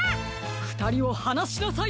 ふたりをはなしなさい！